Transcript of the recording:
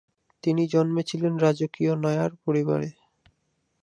তিনি জন্মেছিলেন রাজকীয় নায়ার পরিবারে।